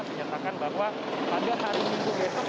menyatakan bahwa pada hari minggu besok